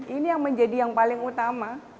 ini yang menjadi yang paling utama